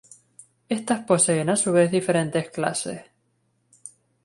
Estas poseen a su vez diferentes clases.